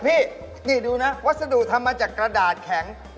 พี่นี่ดูนะวัสดุทำมาจากกระดาษแข็ง